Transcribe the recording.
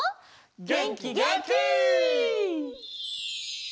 げんきげんき！